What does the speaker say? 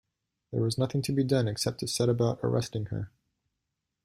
There was nothing to be done except to set about arresting her.